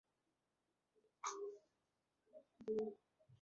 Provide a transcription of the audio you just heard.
همغسې چې د دې توقع لرو